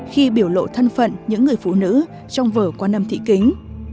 khi biểu lộ thân phận những người phụ nữ trong vở qua âm thị kính